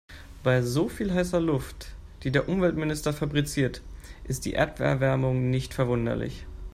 Bei so viel heißer Luft, die der Umweltminister fabriziert, ist die Erderwärmung nicht verwunderlich.